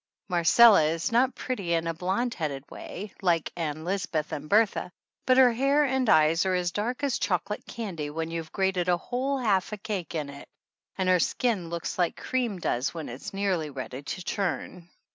Marcella is not pretty in a blonde headed way, like Ann Lisbeth and Bertha, but her hair and eyes are as dark as chocolate candy when you've grated a whole half a cake in it, and her skin looks like cream does when it's nearly ready to churn.